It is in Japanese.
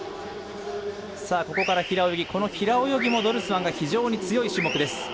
ここから平泳ぎ、この平泳ぎもドルスマンが非常に強い種目です。